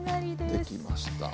できました。